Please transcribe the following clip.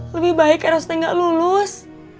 lebih baik erosnya gak lulus